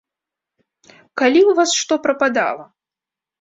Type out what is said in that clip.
Калі ў вас што прападала!